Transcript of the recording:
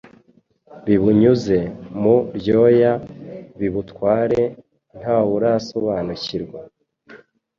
Bibunyuze mu ryoya: bibutware ntawurasobanukirwa